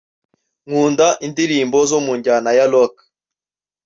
Nkunda indirimbo zo mu njyana ya Rock